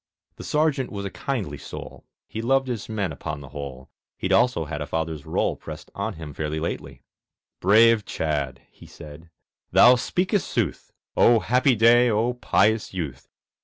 The Sergeant was a kindly soul, He loved his men upon the whole, He'd also had a father's rôle Pressed on him fairly lately. "Brave Chadd," he said, "thou speakest sooth! O happy day! O pious youth!